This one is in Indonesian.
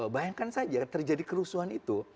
bayangkan saja terjadi kerusuhan itu